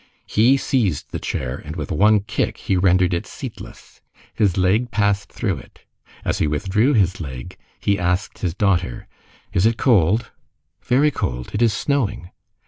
He seized the chair, and with one kick he rendered it seatless. His leg passed through it. As he withdrew his leg, he asked his daughter:— "Is it cold?" "Very cold. It is snowing."